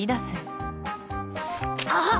あっ！